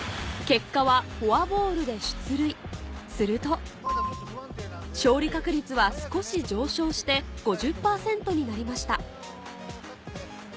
結果はフォアボールで出塁すると勝利確率は少し上昇して５０％になりました